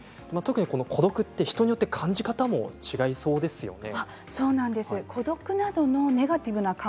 孤独は人によって感じ方も違うそうですね。